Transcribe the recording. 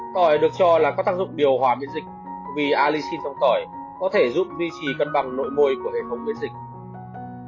tỏi được cho là có tác dụng điều hòa biễn dịch vì alisin trong tỏi có thể giúp duy trì cân bằng nội môi của hệ thống biễn dịch